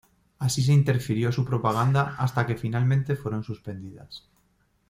Así se interfirió su propaganda hasta que finalmente fueron suspendidas.